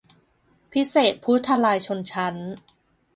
พี่เสกผู้ทลายชนชั้น